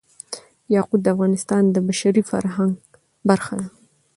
یاقوت د افغانستان د بشري فرهنګ برخه ده.